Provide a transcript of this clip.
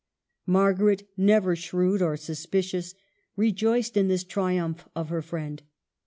Margaret, never shrewd or suspicious, rejoiced in this triumph of her friend.